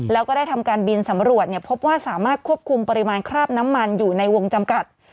แล้วก็ได้ทำการบินสำรวจพบว่าสามารถควบคุมปริมาณคราบน้ำมันอยู่ในวงจำกัด